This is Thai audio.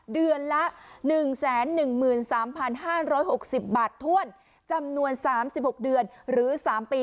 เดือนละหนึ่งแสนหนึ่งหมื่นสามพันห้านร้อยหกสิบบาทถ้วนจำนวนสามสิบหกเดือนหรือสามปี